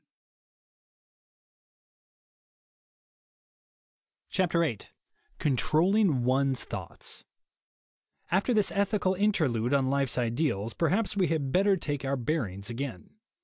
VIII CONTROLLING ONE'S THOUGHTS AFTER this ethical interlude on life's ideals, perhaps we had better take our bearings again.